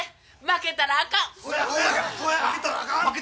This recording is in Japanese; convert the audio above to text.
負けたらあかん！